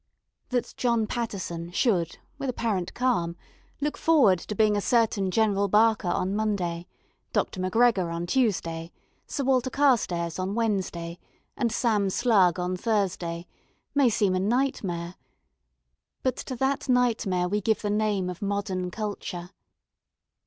That John Paterson should, with apparent calm, look forward to being a certain General Barker on Monday, Dr. Macgregor on Tuesday, Sir Walter Carstairs on Wednesday, and Sam Slugg on Thursday, may seem a nightmare; but to that nightmare we give the name of modern culture.